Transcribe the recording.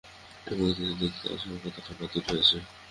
ওকে দেখতে আসার কথাটা বাতিল হয়েছে।